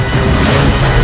aku ingin menemukanmu